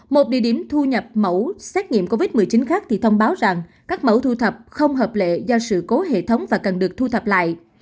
một địa điểm thu nhập mẫu xét nghiệm covid một mươi chín khác thì thông báo rằng các mẫu thu thập không hợp lệ do sự cố hệ thống và cần được thu thập lại